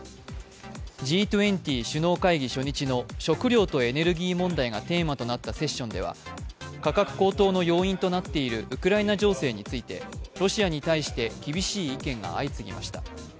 Ｇ２０首脳会議初日の食糧とエネルギー問題がテーマとなったセッションでは、価格高騰の要因となっているウクライナ情勢についてロシアに対して厳しい意見が相次ぎました。